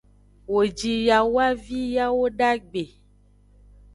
Wo ji yawavi yawodagbe.